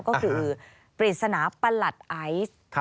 ก็คือปริศนาประหลัดไอซ์